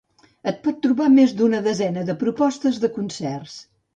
es pot trobar més d'una desena de propostes de concerts